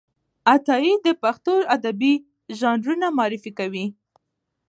عطايي د پښتو ادبي ژانرونه معرفي کړي دي.